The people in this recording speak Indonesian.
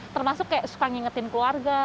termasuk kayak suka ngingetin keluarga